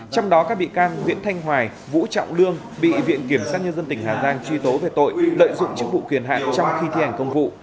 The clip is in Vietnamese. trong đó các bị can nguyễn thanh hoài vũ trọng lương bị viện kiểm sát nhân dân tỉnh hà giang truy tố về tội lợi dụng chức vụ kiền hạn trong khi thi hành công vụ